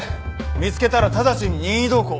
見つけたら直ちに任意同行。